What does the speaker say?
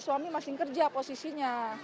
suami masih kerja posisinya